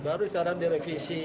baru sekarang direvisi